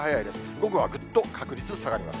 午後はぐっと確率下がります。